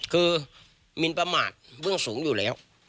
คือมินประมาทเบื้องสูงอยู่แล้ว